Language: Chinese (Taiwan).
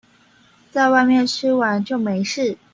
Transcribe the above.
在外面吃完就沒事